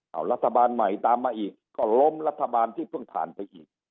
เอารัฐบาลใหม่ตามมาอีกก็ล้มรัฐบาลที่เพิ่งผ่านไปอีก